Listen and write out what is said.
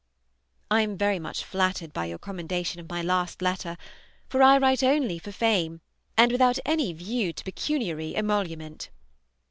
I am very much flattered by your commendation of my last letter, for I write only for fame, and without any view to pecuniary emolument.